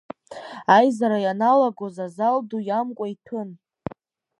Аизара ианалагоз азал ду иамкуа иҭәын.